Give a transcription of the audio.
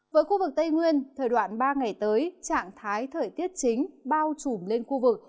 với khu vực tây nguyên thời đoạn ba ngày tới trạng thái thời tiết chính bao trùm lên khu vực